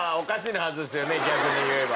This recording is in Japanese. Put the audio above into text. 逆に言えば。